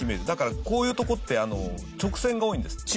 だからこういうとこって直線が多いんです。